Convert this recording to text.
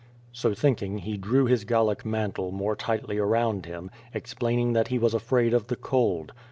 So thinking he drew his Gallic mantle more tightly around him, explaining that he was afraid of the cold.